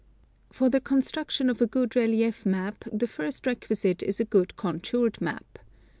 For the construction of a good relief map the first requisite is a good contoured map.